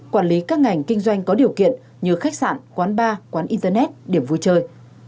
quản lý các ngành kinh doanh có điều kiện như khách sạn quán bar quán internet điểm vui chơi